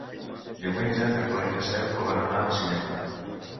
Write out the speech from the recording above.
Diumenge na Cloè i na Cel volen anar al cinema.